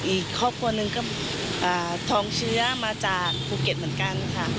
อีกครอบครัวหนึ่งก็ทองเชื้อมาจากภูเก็ตเหมือนกันค่ะ